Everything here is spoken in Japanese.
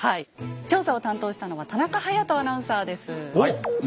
調査を担当したのは田中逸人アナウンサーです。